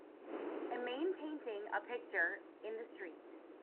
A main painting a picture in the street.